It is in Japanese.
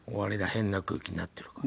変な空気になってるから。